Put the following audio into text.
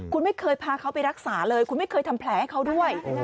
คุณไม่เคยพาเขาไปรักษาเลยคุณไม่เคยทำแผลให้เขาด้วย